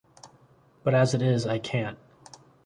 But as it is I can’t.